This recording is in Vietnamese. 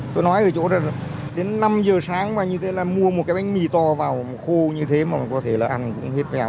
tôi nói ở chỗ đó đến năm giờ sáng mà như thế là mua một cái bánh mì to vào khô như thế mà có thể là ăn cũng hết vèo